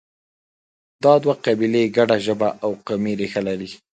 دا دوه قبیلې ګډه ژبه او قومي ریښه لري